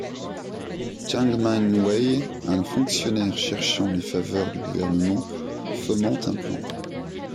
Chan Man Wai, un fonctionnaire cherchant les faveurs du gouverneur, fomenta un plan.